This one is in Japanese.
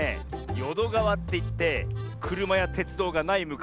よどがわっていってくるまやてつどうがないむかしはね